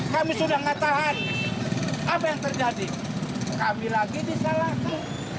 kami sudah mengatakan apa yang terjadi kami lagi disalahkan